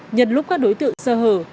nhân lúc các đối tượng sơ hở